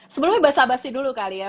sebelumnya bahasa abasi dulu kali ya